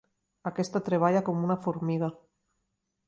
Aquesta treballa com una formiga.